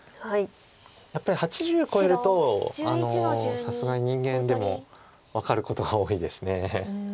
やっぱり８０超えるとさすがに人間でも分かることが多いです。